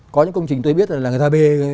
có những công trình tôi biết là người ta bê